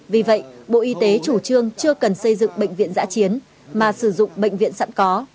vì vậy bộ y tế chủ trương chưa cần xây dựng bệnh viện giã chiến mà sử dụng bệnh viện sẵn có